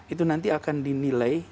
itu nanti akan dinilai